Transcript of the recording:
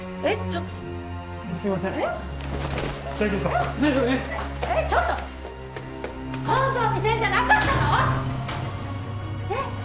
えっ！